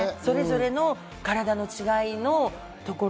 それぞれの体の違いのところ、